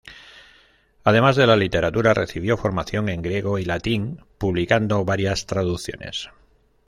Además de la literatura, recibió formación en griego y latín, publicando varias traducciones.